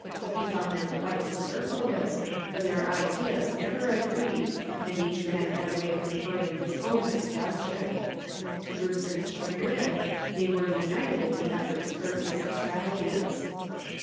He found them quite superfluous, for their ideas never agreed and each man had a way of preferring his own suggestion. To Brewster's chagrin they were united in the effort to curb his extravagance.